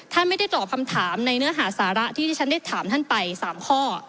ท่านไม่ได้ตอบคำถามในเนื้อหาสาระที่ที่ฉันได้ถามท่านไป๓ข้อ